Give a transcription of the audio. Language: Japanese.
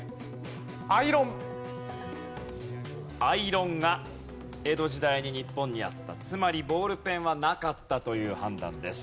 アイロンが江戸時代に日本にあったつまりボールペンはなかったという判断です。